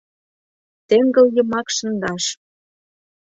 Теҥгыл йымак шындаш!..